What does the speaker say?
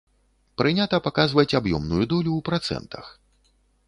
Прынята паказваць аб'ёмную долю ў працэнтах.